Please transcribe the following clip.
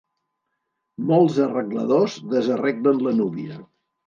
Molts arregladors desarreglen la núvia.